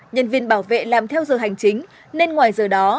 nhân viên bảo vệ làm theo giờ hành chính nên ngoài giờ đó